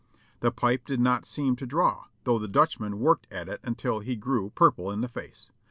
The pipe did not seem to draw, though the Dutchman worked at it until he grew purple in the face.